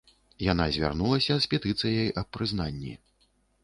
Яна звярнулася з петыцыяй аб прызнанні.